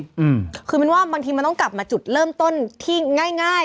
อืมคือมันว่าบางทีมันต้องกลับมาจุดเริ่มต้นที่ง่ายง่าย